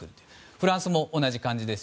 フランスも同じ感じです。